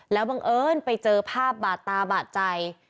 แล้วบังเอิญไปเจอภาพบาดตาบาดใจ